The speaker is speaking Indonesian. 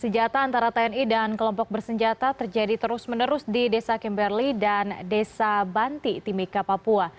senjata antara tni dan kelompok bersenjata terjadi terus menerus di desa kimberly dan desa banti timika papua